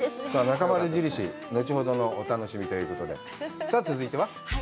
なかまる印、後ほどのお楽しみということで、さあ、続いては？